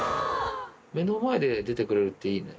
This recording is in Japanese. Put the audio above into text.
目の前で出てくれるっていいね。